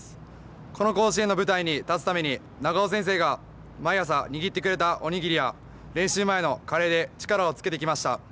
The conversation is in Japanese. この甲子園の舞台に立つために長尾先生が毎朝握ってくれたお握りや練習前のカレーで力をつけてきました。